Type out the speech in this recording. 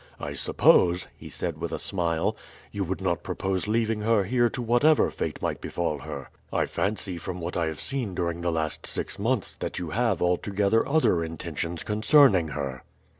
I suppose," he said with a smile, "you would not propose leaving her here to whatever fate might befall her. I fancy from what I have seen during the last six months that you have altogether other intentions concerning her."